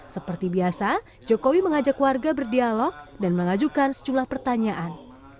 seperti biasa jokowi mengajak warga berdialog dan mengajukan sejumlah pertanyaan